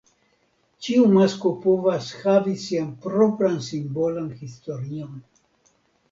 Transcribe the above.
Ĉiu masko povas havi sian propran simbolan historion.